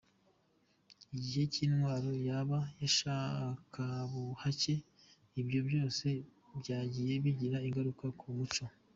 Igihe cy’intwaro ya ba gashakabuhake, ibyo byose byagiye bigira ingaruka ku muco.